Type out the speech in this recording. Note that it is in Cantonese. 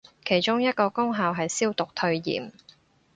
其中一個功效係消毒退炎